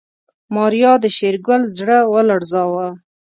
ماريا د شېرګل زړه ولړزاوه.